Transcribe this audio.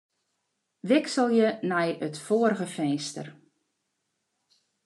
Wikselje nei it foarige finster.